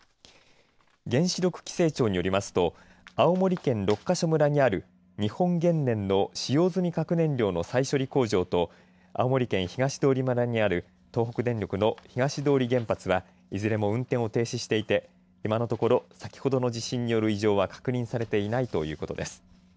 原子力規制庁によりますと青森県六ヶ所村にある日本原燃の使用済み核燃料の再処理工場と青森県東通村にある東北電力の東通日本原発はいずれも運転を停止していて今のところ、先ほどの地震による影響は確認されていないということです。